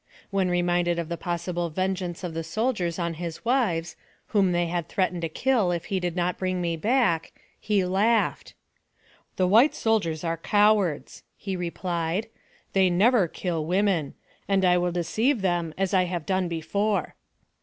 When reminded of the possible vengeance of the soldiers on his wives, whom they had threatened to kill if he did not bring me back, he laughed. " The white soldiers are cowards," he replied ;" they never kill women; and I will deceive them as I have done before."